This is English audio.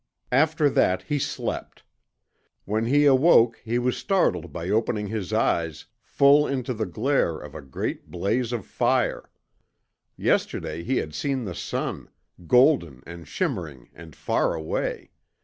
After that he slept. When he awoke he was startled by opening his eyes full into the glare of a great blaze of fire. Yesterday he had seen the sun, golden and shimmering and far away.